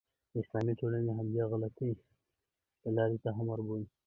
اسلامي ټولنې همدې غلطې لارې ته وربولي.